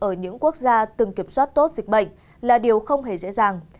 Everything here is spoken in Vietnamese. ở những quốc gia từng kiểm soát tốt dịch bệnh là điều không hề dễ dàng